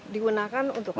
digunakan untuk apa saja